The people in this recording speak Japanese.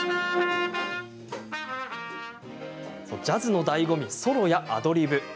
ジャズのだいご味ソロやアドリブ。